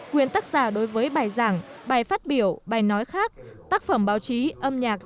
quyền tác giả đối với bài giảng bài phát biểu bài nói khác tác phẩm báo chí âm nhạc